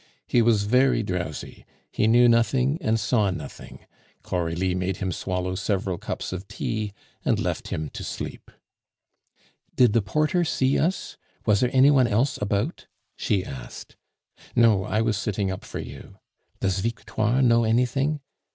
He was very drowsy; he knew nothing and saw nothing; Coralie made him swallow several cups of tea, and left him to sleep. "Did the porter see us? Was there anyone else about?" she asked. "No; I was sitting up for you." "Does Victoire know anything?"